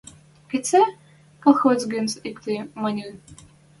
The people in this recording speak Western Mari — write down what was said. — «Кыце?.. Колхоз гӹц иктӹ мӹньӹ?..» —